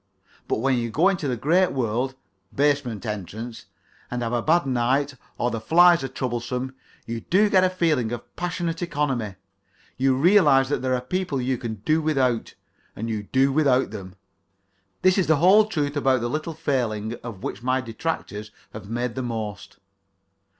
But when you go into the great world (basement entrance) and have a bad night, or the flies are troublesome, you do get a feeling of passionate economy; you realize that there are people you can do without, and you do without them. This is the whole truth about a little failing of which my detractors have made the most.